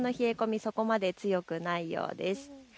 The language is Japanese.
そこまで強くないようです。